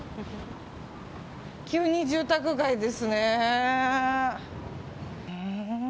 急に住宅街ですね。